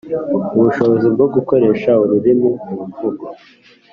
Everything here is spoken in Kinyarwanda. ubushobozi bwo gukoresha ururimi mu mvugo